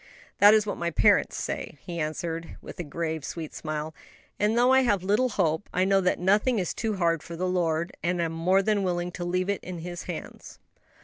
"That is what my parents say," he answered, with a grave, sweet smile; "and though I have little hope, I know that nothing is too hard for the Lord, and am more than willing to leave it in His hands."